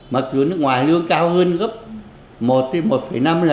mặc dù nước ngoài lương cao hơn gấp một một năm lần v v